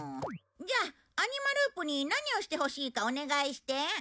じゃあアニマループに何をしてほしいかお願いして。